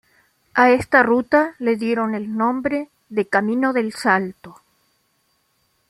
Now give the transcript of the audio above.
A esta ruta le dieron el nombre de "Camino del Salto".